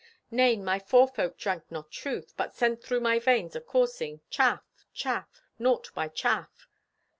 Nay, my forefolk drank not truth, but sent through my veins acoursing, chaff, chaff, naught by chaff."